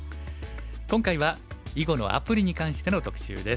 今回は囲碁のアプリに関しての特集です。